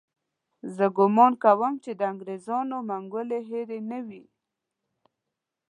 زه ګومان کوم چې د انګریزانو منګولې هېرې نه وي.